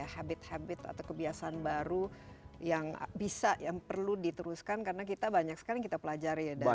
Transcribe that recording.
habit habit atau kebiasaan baru yang bisa yang perlu diteruskan karena kita banyak sekali yang kita pelajari ya dari